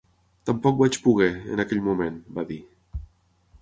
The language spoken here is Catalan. "Tampoc vaig poder... en aquell moment", va dir.